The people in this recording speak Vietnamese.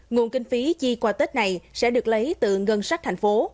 nguồn kinh phí chi qua tết này sẽ được lấy từ ngân sách thành phố